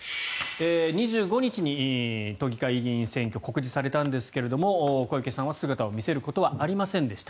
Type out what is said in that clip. ２５日に都議会議員選挙が告示されたんですが小池さんは姿を見せることはありませんでした。